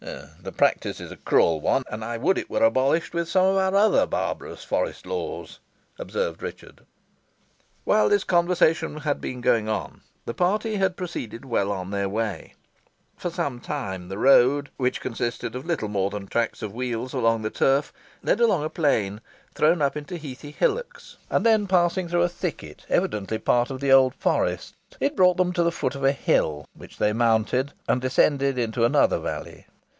"The practice is a cruel one, and I would it were abolished with some of our other barbarous forest laws," observed Richard. While this conversation had been going on, the party had proceeded well on their way. For some time the road, which consisted of little more than tracts of wheels along the turf, led along a plain, thrown up into heathy hillocks, and then passing through a thicket, evidently part of the old forest, it brought them to the foot of a hill, which they mounted, and descended into another valley.